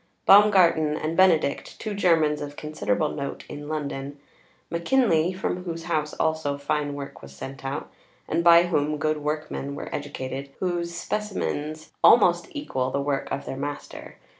Baumgarten and Benedict, two Germans of considerable note in London; Mackinly, from whose house also fine work was sent out, and by whom good workmen were educated whose specimens almost equal the work of their master.